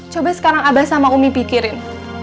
coba sekarang abah sama umi pikirin